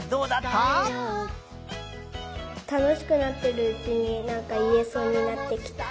たのしくなってるうちになんかいえそうになってきた。